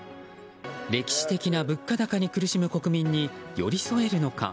歴史的な物価高に苦しむ国民に寄り添えるのか。